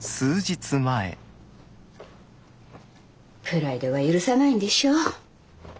プライドが許さないんでしょ。